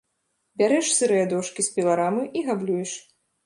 Бярэш сырыя дошкі з піларамы і габлюеш.